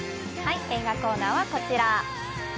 映画コーナーはこちら。